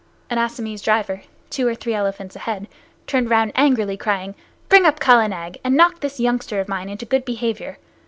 An Assamese driver, two or three elephants ahead, turned round angrily, crying: "Bring up Kala Nag, and knock this youngster of mine into good behavior.